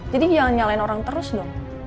jadi jangan nyalain orang terus dong